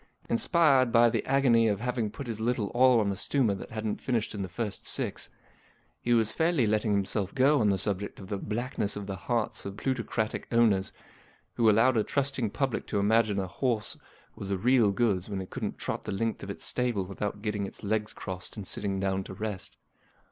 Inspired by the agony of having put his little all on a stumer that hadn't finished in the first six, he was fairly letting himself go on the subject of the blackness of the hearts of plutocratic owners who allowed a trust¬ ing public to imagine a horse was the real goods when it couldn't trot the length of its stable without getting its legs crossed and sitting down to rest.